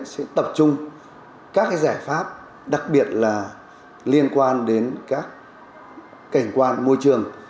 sẽ tập trung các giải pháp đặc biệt là liên quan đến các cảnh quan môi trường